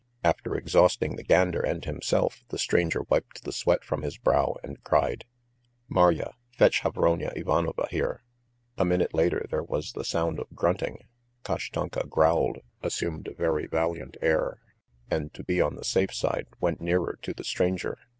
After exhausting the gander and himself, the stranger wiped the sweat from his brow and cried: "Marya, fetch Havronya Ivanovna here!" A minute later there was the sound of grunting. Kashtanka growled, assumed a very valiant air, and to be on the safe side, went nearer to the stranger.